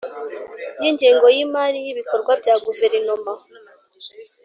y ingengo yimari yibikorwa bya Guverinoma